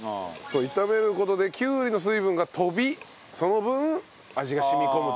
炒める事できゅうりの水分が飛びその分味が染み込むと。